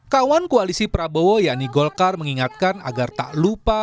kawan koalisi prabowo yakni golkar mengingatkan agar tak lupa